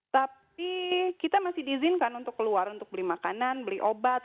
tapi kita masih diizinkan untuk keluar untuk beli makanan beli obat